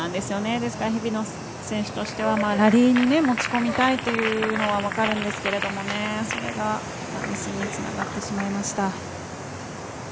日比野選手としてはラリーに持ち込みたいというのは分かるんですけれどもそれが、ミスにつながってしまいました。